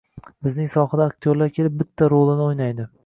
Bizning sohada aktyorlar kelib bitta rolini o‘ynaydi.